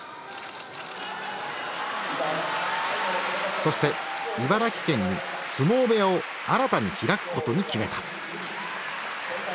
そして茨城県に相撲部屋を新たに開くことに決めた。